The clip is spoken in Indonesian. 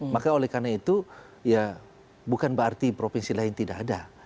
maka oleh karena itu ya bukan berarti provinsi lain tidak ada